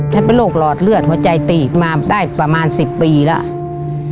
เป็นโรคหลอดเลือดหัวใจตีกมาได้ประมาณ๑๐ปีแล้ว